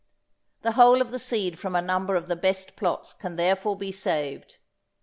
The whole of the seed from a number of the best plots can therefore be saved.